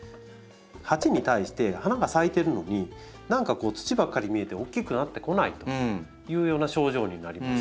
鉢に対して花が咲いてるのに何かこう土ばっかり見えて大きくなってこないというような症状になります。